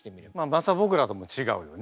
また僕らともちがうよね。